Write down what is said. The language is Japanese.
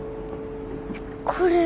これ。